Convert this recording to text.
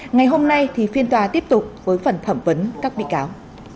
ngày hôm nay thì phiên tòa tiếp tục với phần thẩm vấn các bị cáo